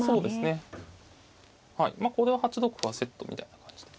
これは８六歩はセットみたいな感じで。